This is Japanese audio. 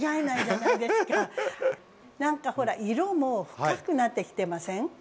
なんかほら色も深くなってきてません？